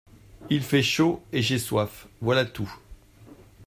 Il fait chaud, et j'ai soif, voilà tout.